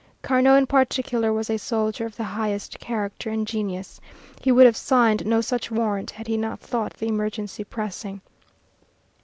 Carnot in particular was a soldier of the highest character and genius. He would have signed no such warrant had he not thought the emergency pressing.